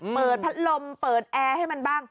เปิดพัดลมเปิดแอร์ให้มันบ้าง